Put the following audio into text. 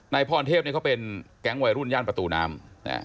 พรเทพเขาเป็นแก๊งวัยรุ่นย่านประตูน้ำ